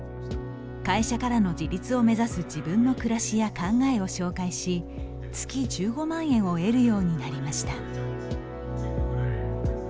会社からの自立を目指す自分の暮らしや考えを紹介し月１５万円を得るようになりました。